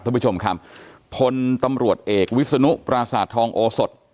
ท่านผู้ชมครับพลตำรวจเอกวิศนุปราสาททองโอสด